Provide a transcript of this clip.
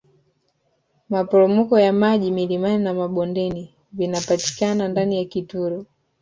maporomoko ya maji milima na mabonde vianpatikana ndani ya kitulo